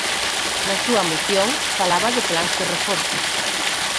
Na súa moción falaba de plans de reforzo.